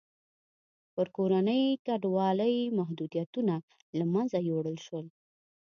پر کورنۍ کډوالۍ محدودیتونه له منځه یووړل شول.